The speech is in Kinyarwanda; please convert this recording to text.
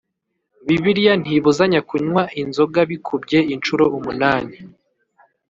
Bibiliya ntibuzanya kunywa inzobikubye incuro umunani